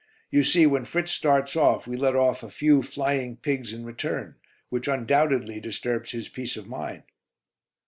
You see, when Fritz starts we let off a few 'flying pigs' in return, which undoubtedly disturbs his peace of mind."